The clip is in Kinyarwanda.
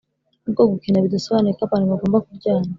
Nubwo gukena bidasobanuye ko abantu bagomba kuryana